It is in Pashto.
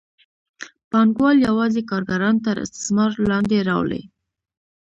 پانګوال یوازې کارګران تر استثمار لاندې راولي.